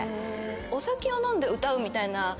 お酒を飲んで歌うみたいな。